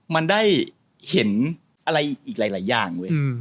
มันได้เห็นอะไรอีกหลายอย่างเว้ย